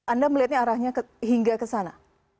anda melihatnya arahnya hingga ke sana